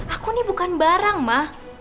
aku nih bukan barang mah